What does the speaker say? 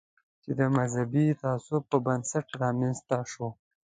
چې د مذهبي تعصب پر بنسټ رامنځته شو.